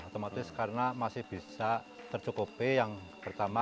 otomatis karena masih bisa tercukupi yang pertama